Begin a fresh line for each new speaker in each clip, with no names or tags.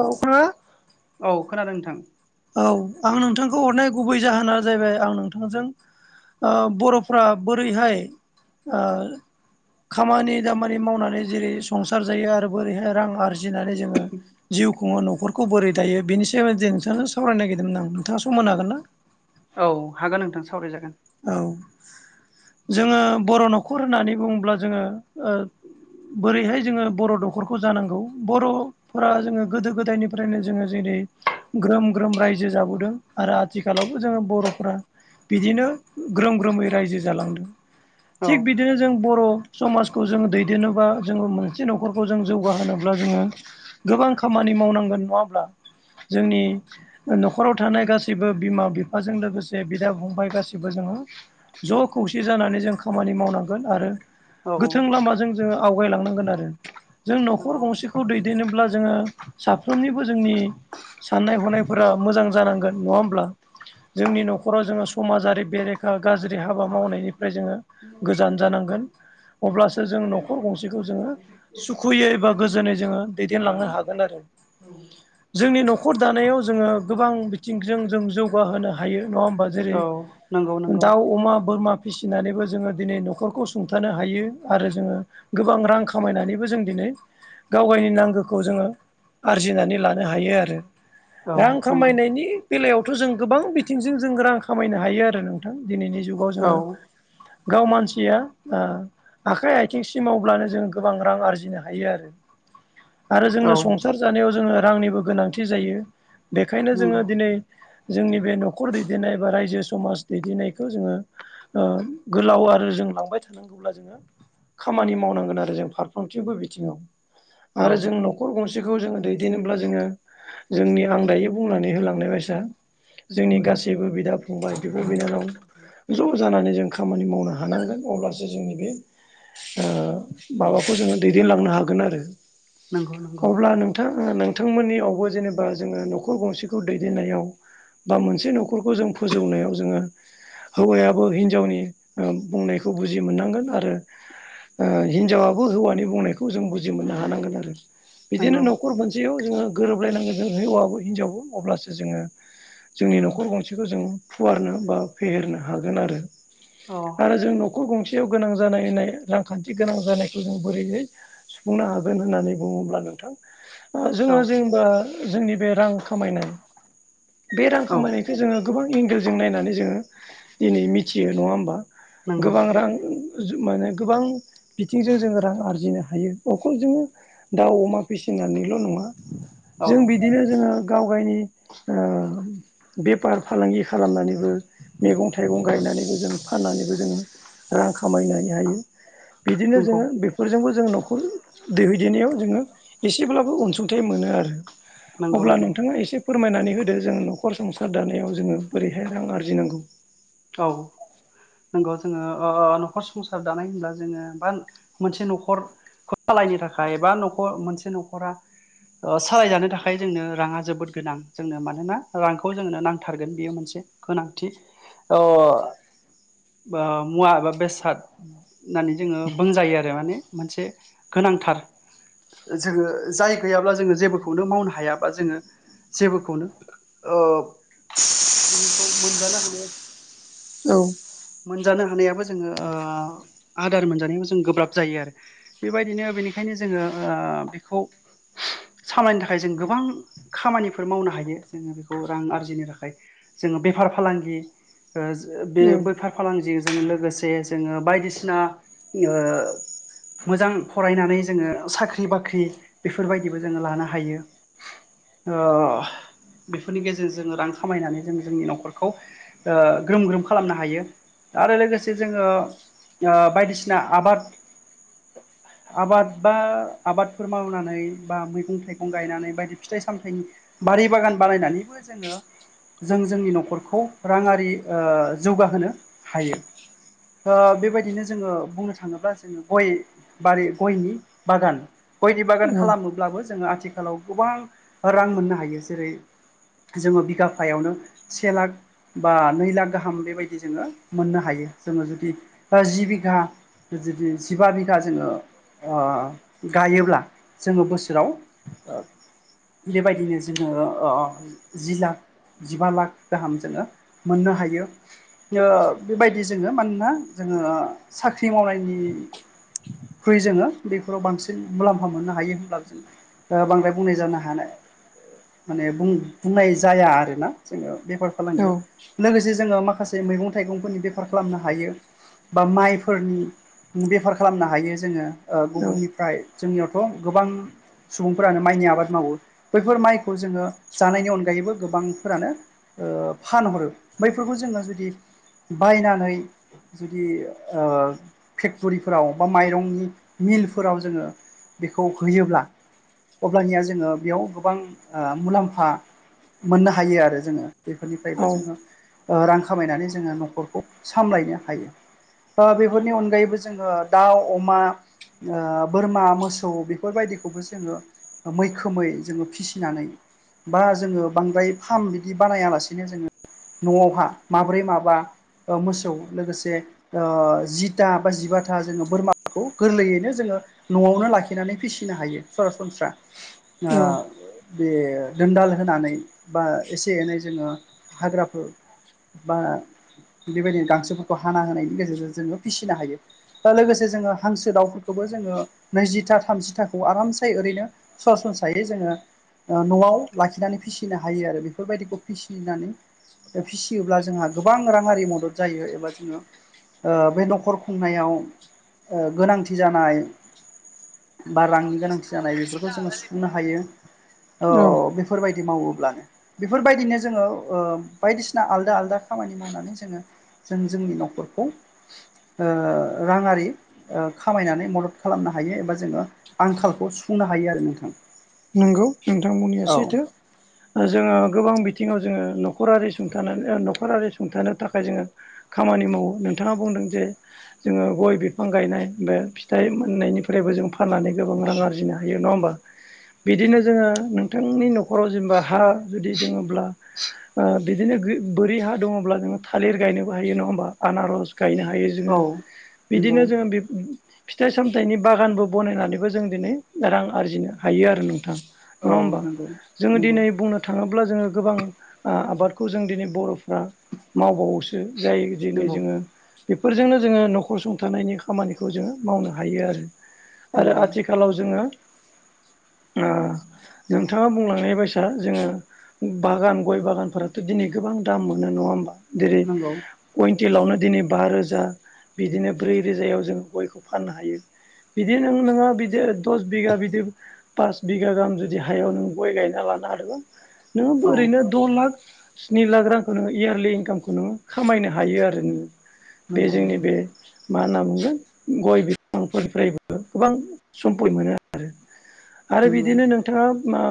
औ [unintelligible]
औ खोनादों नोंथां
औ आं नोंथांखौ हरनाय गुबै जाहोना जाहैबाय आं नोंथांजों ओ बर'फ्रा बोरैहाय ओ खामानि दामानि मावनानै जेरै संसार जायो आरो बोरैहाय रां आरजिनानै जोङो जिउ खुङो न'खरखौ बोरै दायो बेनि सायाव एदजे नोंथांजों सावरायनो नागिरदोंमोन आं नोंथाङा सम मोननो हागोन ना?
औ हागोन नोंथां सावरायजागोन
औ जोङो बर' न'खर होननानै बुङोब्ला जोङो ओ बोरैहाय जोङो बर' दखरखौ जानांगौ बर' फोरा जोङो गोदो गोदायनिफ्रायनो जोङो जेरै ग्रोम ग्रोम रायजो जाबोदों आरो आथिखालावबो जोङो बर'फ्रा बिदिनो ग्रोम ग्रोमै रायजो जालांदों
औ
थिग बिदि बिदिनो जों बर' समाजखौ जोङ दैदेननोबा जोङो मोनसे न'खरखौ जों जौगाहोनोब्ला जोङो गोबां खामानि मावनांगोन नङाअब्ला जोंनि न'खराव थानाय गासैबो बिमा बिफाजों लोगोसे बिदा फंबाय गासिब बो जोङो ज' खौसे जानानै जों खामानि मावनांगोन आरो
औ
गोथों लामाजों जोङो आवगायलांनांगोन आरो जों न'खर गंसेखौ दैदेनोबब्ला जोङो साफ्रोमनिबो जोंनि साननाय हनायफोरा मोजां जानांगोन नङा होमब्ला जोंनि न'खराव जोङो समाजारि बेरेखा गाज्रि हाबा मावनायनिफ्राय जोङो गोजान जानांगोन अब्लासो जों न'खर गंसेखौ जोङो सुखुयै बा गोजोनै जोङो दैदेनलांनो हागोन आरो जोंनि न'खर दानायाव जोङो गोबां बिथिंजों जों जौगाहोनो हायो नङा होमबा जेरै
औ नंगौ नंगौ
दाउ अमा बोरमा फिसिनानैबो जोङो दिनै न'खरखौ सुंथानो हायो आरो जोङो गोबां रां खामायनानैबो जों दिनै गावगायनि नांगौ खाै जोंङो आरजिना लानो हायो आरो
औ
रां
नंगौ
खामायनायनि बेलायावथ' जों गोबां बिथिंजों जों रां खामायनो हायो आ नोंथां दिनैनि जुगाव
औ
जोङो गाव मानसिया आ ओ आखाइ आथिं सिमावब्लानो जों गोबां रां आरजिनो हायो आरो आरो
औ
जोंनो सं हासार जानायाव जोङो रांनिबो गोनांथि जायो बेखायनो जोङो
नंगौ
दिनै जोंनि बे न'खर दैदेननाय बा रायजो समाज दैदेननायखौ जोङो ओ गोलाव आरो जों लांबाय थानांगौब्ला जोङो खामानि मावनांगोन आरो जों फारफ्रोमथिंबो बिथिङाव
औ
आरो जों न' नखर गंसेखौ जोङो दैदेनोनोब्ला जोङो जोंनि आं दायो बुंनानै होलांनाय बायसा जोंनि गासैबो बिदा-फंबाय बिब' बिनानाव ज' जानानै जों खामानि मावनो हानांगोन अब्लासो जोंनि बे ओ
औ
माबाखौ जोङो दैदेनलांनो हागोन आरो
नंगौ नंगौ
अब्ला नो नोंथां नोंथांमोननियावबो जेनेबा जोङो न'खर गंसेखौ दैदेननायाव बा मोनसे न'खरखौ जों फोजौनायाव जोङो हौवायाबो हिनजावनि बुंनायखौ बुजि मोननांगोन आरो हिनजावाबो हौवानि बुंनायखौ जों बुजि मोननो हानांगोन आरो बिदिनो
नंगौ
न'खर मोनसेयाव जोङो गोरोबलायनांगोन जों हौवाबो हिनजावबो अब्लासो जोङो जोंनि
उम
न'खर गंसेखौ जों फुवारनो बा फेहेरनो हागोन आरो
अ
आरो जों न'खर गंसेयाव गोनां जानायनाय रांखान्थि गोनां जानायखौ जों बोरैहै सुफुंनो हागोन होननानै बुङोब्ला नोंथां ओ
औ
जोङो जेनेबा जोंनि बे रां खामायनाय बे रां
औ
खामायनाय बेखौ जोङो गोबां एंगेलजों नायनानै जोङो दिनै मिथियो नङा होमबा
नंगौ
गोबां रां जो-माने गोबां बिथिंजों जोङो रां आरजिनो हायो नखरजोंनो दाउ अमा फिसिनानैल' नङा
औ
जों बिदिनो जोङो गाव गायनि बेफार फालांगि खालाम खालामनानैबो मैगं थाइगं गायनानैबो जों फाननानैबो जोङो रां खामायनो हायो बिदिनो
नंगौ
जोङो बे फोरजोंबो जोङो न'खर दैहैदेनायाव जोङो एसेब्लाबो अनसुंथाइ मोनो आरो
नंगौ
अब्ला
नंगौ
नोंथाङा एसे फोरमायनानै होदो जों न'खर संसार दानायाव जोङो बोरैहाय रां आरजिनांगौ
औ नंगौ जोङो ओ न'खर संसार दानाय होनब्ला जोङो बा मोनसे न'खर खौ सालायनो थाखाय एबा न'खर मोनसे न'खरा सालायजानो थाखाय जोंनो राङा जोबोद गोनां जोंनो मानोना रांखौ जोंनो नांथारगोन बेयो मोनसे गोनांथि अ बा मुवा बा बेसाद होननानै जोङो बुंजायो आरो माने मोनसे गोनांथार जोङो जाय गैयाब्ला जोङो जेबोखौनो मावनो हायाबा जोङो जेबोखौनो औ [unintelligible] [unintelligible] [unintelligible]
औ।
मोनजानो हानायाबो जोङो ओ आदार मोनजानायाव जों गोब्राब जायो आरो। बेबायदिनो बेनिखायनो जोङो ओ बेखौ सामलायनो थाखाय जों गोबां खामानिफोर मावनो हायो जोङो बेखौ रां आरजिनो थाखाय जोङो बेफार फालांगि ओ बे
औ
बेैफार फालांगिजों लोगोसे जोङो बायदिसिना ओ मोजां फरायनानै जोङो साख्रि बाख्रि बेफोरबायदिबो जोङो लानो हायो। ओ बेफोरनि गेजेरजों जोङो रां खामायनानै जों जोंनि न'खरखौ ओ ग्रोम ग्रोम खालामनो हायो। आरो लोगोसे जोङो ओ बायदिसिना आबाद
[inaudible]
आबाद बा आबादफोर मावनानै बा मैगं थाइगं गायनानै बायदि फिथाइ सामथाइनि बारि बागान बानायनानैबो जोङो जों जोंनि न'खरखौ राङारि ओ जौगाहोनो हायो। ओ बेबायदिनो जोङो बुंनो थाङोब्ला जोङो गय बारि गयनि बागान। गयनि बागान
औ
खालामोब्लाबो जोङो आथिखालाव गोबां रां मोननो हायो जेरै जोङो बिगाफायावनो से लाख बा नै लाख गाहाम बेबायदि जोङो मोननो हायो जोङो जुदि ओ जि बिघा जुदि जिबा बिगा जोङो ओ गायोब्ला जोङो बोसोराव बेबायदिनो जोङो ओ जि जिबा लाख गाहाम जोङो मोननो हायो ओ बेबायदि जोङो मानोना जोङो साख्रि मावनायनि ख्रुइ जोङो बेफोराव बांसिन मुलाम्फा मोननो हायो होनब्ला जों ओ बांद्राय बुंनाय जानो हानाय माने बुं-बुंनाय जाया आरोना। जोङो बेफार फालांगियाव
औ
लोगोसे जोङो माखासे मैगं थाइगं। फोरनि बेफार खालामनो हायो बा माइफोरनि बेफार खालामनो हायो जोङो। ओ गुबुननिफ्राय जोंनियावथ' गोबां सुबुंफोरानो माइनि आबाद मावो बैफोर माइखौ जोङो जानायनि अनगायैबो गोबांफोरानो ओ फानहरो बैफोरखौ जोङो जुदि बायनानै जुदि ओ फेक्टरिफोराव बा माइरंनि मिलफोराव जोङो बेखौ होयोब्ला अब्लानिया जोङो बेयाव गोबां ओ मुलाम्फा मोननो हायो आरो जोङो
औ
बेफोरनिफ्रायबो जोङो ओ रां खामायनानै जोङो न'खरखौ सामलायनो हायो। ओ बेफोरनि अनगायैबो जोङो दाउ अमा ओ बोरमा मोसौ बेफोरबायदिखौबो जोङो मैखोमै जोङो फिसिनानै बा जोङो बांद्राय फार्म बिदि बानायालासिनो जोङो न'आवहा माब्रै माबा औ मोसौ लोगोसे ओ जिथा बा जिबाथा जोङो बोरमाखौ गोरलैयैनो जोङो न'आवनो लाखिनानै फिसिनो हायो सरासनस्रा ओ
औ
बे दोनदाल होनानै बा एसे एनै जोङो हाग्राफोर बा बेबायदिनो गांसोफोरखौ हाना होनायनि गेजेरजों जोङो फिसिनो हायो। दा लोगोसे जोङो हांसो दाउफोरखौबो जोङो नैजिथा थामजिथाखौ आरामसे ओरैनो सरासनस्रायै जोङो ओ न'आव लाखिनानै फिसिनो हायो आरो बेफोरबायदिखौ फिसिनानै फिसियोब्ला जोंहा गोबां राङारि मदद जायो एबा जोङो ओ बे न'खर खुंनायाव ओ गोनांथि जानाय बा रांनि गोनांथि जानाय बेफोरखौ जोङो सुफुंनो हायो औ बेफो फोरबायदि मावोब्लानो बेफोरबायदिनो जोङो ओ बायदिसिना आलदा आलदा खामानि मावनानै जोङो जों जोंनि न'खरखौ राङारि ओ खामायनानै मदद खालामनो हायो एबा जोङो आंखालखौ सुफुंनो हायो आरो नोंथां।
नोंगौ नोंथांमोननिया
औ
सैथो जोङो गोबां बिथिङाव जोङो नखरारि सुंथानो नखरारि सुंथानो थाखाय जोङो खामानि मावो नोंथाङा बुंदों जे जोङो गय बिफां गायनाय बे फिथाइ मोननायनिफ्राय फ्रायबो जों फाननानै गोबां रां आरजिनो हायो नङा होमबा? बिदिनो जोङो नोंथांनि नखराव जेनेबा हा जुदि दङोब्ला ओ बिदिनो बोरि हा दङब्ला जोङो थालिर गायनोबो हायो नङा होमबा आनारस गायनो हायो जों
औ
दिनो
नंगौ
बिदिनो जोङो बिब फिथाइ सामथाइनि बागानबो बनायनानैबो जों दिनै रां आरजिनो हायो आरो नोंथां।
औ
नङा होमबा
नंगौ
जोङो
नंगौ
दिनै बुंनो थाङोब्ला जोङो गोबां ओ आबादखौ जों दिनै बरफ्रा मावबावोसो जाय दिनै जोङो
नंगौ
बेफोर जोंनो जोङो नखर सुंथानायनि खामानिखौ जोङो मावनो हायो आरो। आरो
नंगौ
आथिखालाव जोङो ओ नोंथाङा बुंलांनाय बायसा जोङो बागान गय बागानफोराथ दिनै गोबां दाम मोनो नंङा होमबा जेरै
नंगौ
कुइन्टेलावनो दिनै बा रोजा बिदिनो ब्रै रोजायाव जों गयखौ फाननो हायो। बिदि नों नोङो बिदि दस बिगा बिदि पास बिगा गाहाम जुदि हायाव नों गय गायना लानो हादोंबा नोङो
औ
ओरैनो द लाख स्नि लाख रांखौ नोङो इयारलि इनकामखौ नोङो खामायनो हायो आरो नोङो। बे
नंगौ
जोंनि
नंगौ औ
बे मा होनना बुंगोन गय बिफां फोरनिफ्रायबो गोबां सम्फय मोनो आरो। आरो
नंगौ
बिदिनो नोंथाङा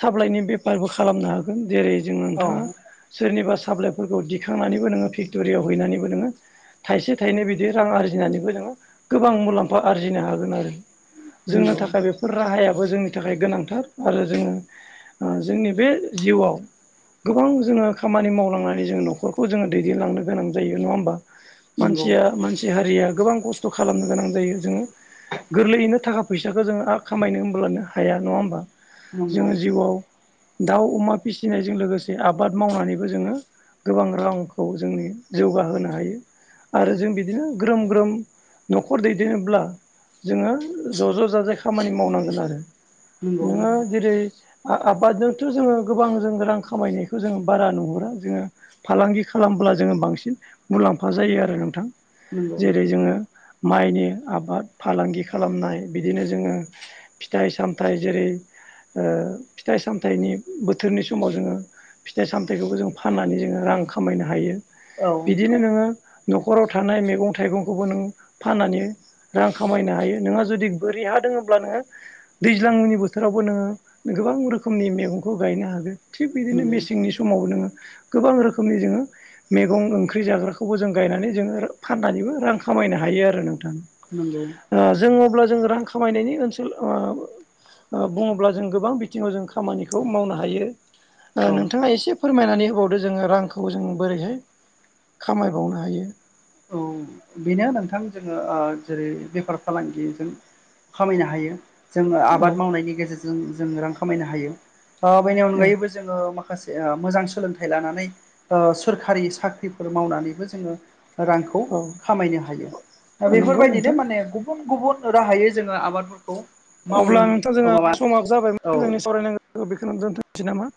साप्लाइनि बेफारबो खालामनो हागोन। जेरै जोंङो नोंथांङा सोरनिबा साप्लाइफोरखौ दिखांनानैबो नोङो फेक्टरियाव हैनानैबो नोङो थाइसे थाइनै बिदि रां आरजिनानैबो जोङो गोबां मुलाम्फा आरजिनो हागोन आरो।
नंगौ
जोंनो
नंगौ
थाखाय बेफोर राहाया दाबो जोंनि थाखाय गोनांथार आरो जोङो जोंनि बे जिउआव गोबां जोंङो खामानि मावलांनानै जोंङो नखरखौ जोंङो दैदेनलांनो गोनां जायो नंङा होमबा। मानसिया मानसि सि हारिया गोबां खस्थ खालामनो गोनां जायो जोंङो गोरलैयैनो थाखा फैसाखौ जोंङो खामायनो। लानो हाया नंङा होमबा
नंगौ
जोंङो जिउआव दाउ अमा फिसिनायजों लोगोसे आबाद मावनानैबो जोङो गोबां रांखौ जोंनि जौगाहोनो हायो। आरो जों बिदिनो ग्रोम ग्रोम नखर दैदेनोब्ला जोङो ज ज जाजाय खामानि मावनांगोन आरो
नंगौ नंगौ
नोङो जेरै आबाद जोंथ जोङो गोबां जों रां खामायनायखौ जोङो बारा नुहुरा जोङो फालांगि खालामब्ला जोङो बांसिन मुलाम्फा जायो आरो नोंथां। जेरै जोङो माइनि आबाद फालांगि खालामनाय बिदिनो जोंङो। फिथाइ सामथाइ जेरै फिथाइ सामथायाइनि बोथोरनि समाव जोंङो। फिथाइ सामथायाइखौबो जों फाननानै जोङो रां खामायनो हायो
औ
बिदिनो नोङो नखराव थानाय मैगं थाइगंखौबो नों फाननानै रां खामायनो हायो नोंहा जुदि बोरै हा दोंब्ला नोङो दैज्लांनि बोथोरावबो नोङो गोबां रोखोमनि मैगंखौ गायनो हागोन थिग बिदिनो
नंगौ
मेसेंनि समाव नोंङो गोबां रोखोमनि जोङो मैगं ओंख्रि जाग्राखौबो जों गायनानै जोङो फाननानैबो रां खामायनो हायो आरो नोंथां।
नंगौ
जोंङो अब्ला जों रां खामायनायनि ओनसोल। बुंङोब्ला जों गोबां बिथिंङाव जों खामानिखौ मावनो हायो।
औ
नोंथांङा एसे फोरमायनानै होबावदो जोङो रांखौ जों बोरैहाय खामायबावनो हायो।
औ बेनो नोंथां जोंङो जेरै बेफार फालांगिजों खामायनो हायो। जोङो
औ
आबाद मावनायनि गेजेरजों जोङो रां खामायनो हायो बेनि अनगायैबो जोङो माखासे ओ मोजां सोलोंथाइ लानानै ओ सोरखारि साख्रिफोर मावनानैबो जोङो रांखौ
औ
खामायनो हायो दा
औ नंगौ
बेफोरबायदिनो
नोंथां
माने गुब बुन गुबुन राहायै जोङो आबादफोरखौ मावनो
अब्ला नोंथां जोंहा
माबा
समाब जाबायमोन
औ
जोंनि सावरायनांगौखौ बेखौ दोन्थ'नोसै नामा?